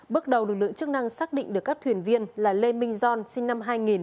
bước đầu lực lượng chức năng xác định được các thuyền viên là lê minh giòn sinh năm hai nghìn